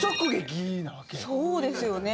そうですよね？